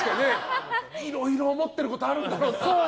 いろいろ思ってることあるんだろうなって。